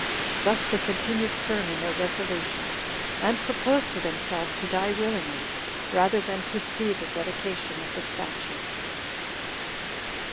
31 Thus they continued firm in their resolution, and proposed to themselves to die willingly, rather than to see the dedication of the statue.